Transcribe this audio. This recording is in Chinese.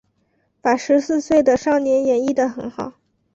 把十四岁的少年演绎的很好